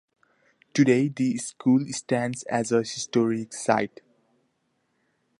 Today, the school stands as a historic site.